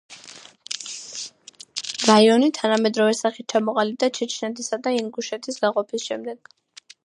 რაიონი თანამედროვე სახით ჩამოყალიბდა ჩეჩნეთისა და ინგუშეთის გაყოფის შემდეგ.